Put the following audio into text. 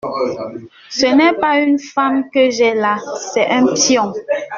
Ce n’est pas une femme que j’ai là, c’est un pion !…